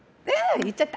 言っちゃった！